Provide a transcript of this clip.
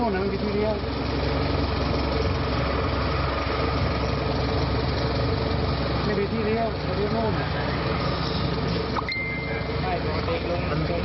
ไม่มีที่เลี้ยวเดี๋ยวลอง